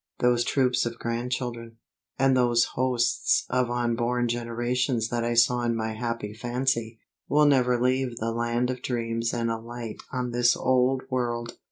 Those troops of grandchildren, and those hosts of unborn generations that I saw in my happy fancy, will never leave the land of dreams and alight on this old world.